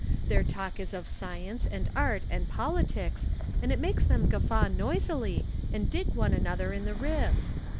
Their talk is of science and art and politics and it makes them guffaw noisily and dig one another in the ribs.